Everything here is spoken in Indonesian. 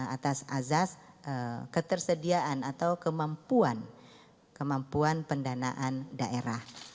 atas azas ketersediaan atau kemampuan pendanaan daerah